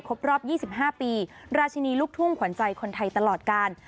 รอบ๒๕ปีราชินีลูกทุ่งขวัญใจคนไทยตลอดกาล